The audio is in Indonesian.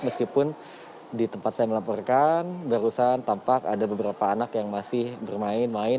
meskipun di tempat saya melaporkan barusan tampak ada beberapa anak yang masih bermain main